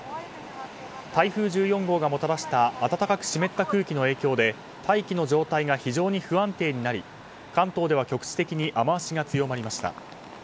台風１４号がもたらした暖かく湿った空気の影響で大気の状態が非常に不安定になり関東では局地的に雨脚が強まりました。